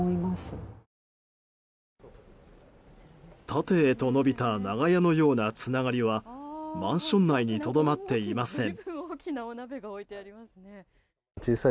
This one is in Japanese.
縦へと伸びた長屋のようなつながりはマンション内にとどまっていません。